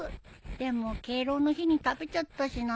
でも敬老の日に食べちゃったしな。